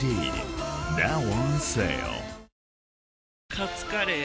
カツカレー？